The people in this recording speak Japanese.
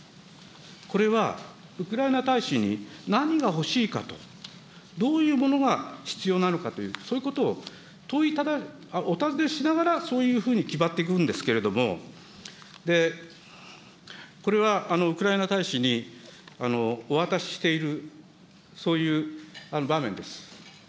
これは、ウクライナ大使に何が欲しいかと、どういうものが必要なのかという、そういうことをお尋ねしながら、そういうふうに決まっていくんですけれども、これはウクライナ大使にお渡ししている、そういう場面です。